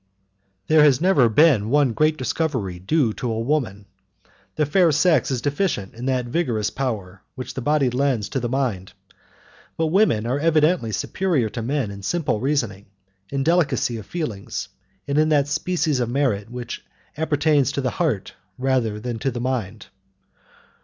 There has never been one great discovery due to a woman. The fair sex is deficient in that vigorous power which the body lends to the mind, but women are evidently superior to men in simple reasoning, in delicacy of feelings, and in that species of merit which appertains to the heart rather than to the mind.